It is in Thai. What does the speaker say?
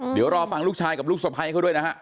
เดี๋ยวรอฟังลูกชายกับลูกสะพ้ายเขาด้วยนะฮะ